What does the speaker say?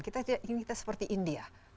kita ingin kita seperti india